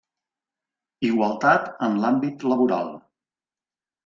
Igualtat en l'àmbit laboral.